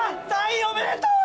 ３位おめでとう！